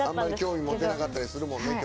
興味持てなかったりするもんね。